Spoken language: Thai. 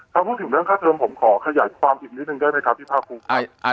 ถ้าพูดถึงเรื่องค่าเทิมผมขอขยายความผิดนิดนึงได้ไหมครับพี่ภาคภูมิ